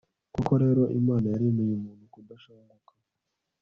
koko rero, imana yaremeye muntu kudashanguka